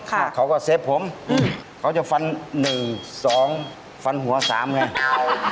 ค่ะเซฟเค้าก็เซฟผมเค้าจะฟัน๑๒ฟันหัว๓ไง